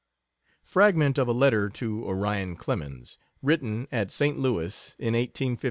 Fragment of a letter to Orion Clemens. Written at St. Louis in 1859: ...